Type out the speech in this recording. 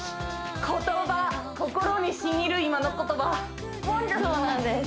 言葉心にしみる今の言葉そうなんです